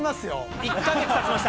１か月たちました。